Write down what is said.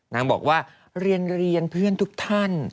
นางบอกว่าเรียนเพื่อนทุกท่าน